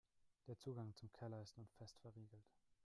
Der Zugang zum Keller ist nun fest verriegelt.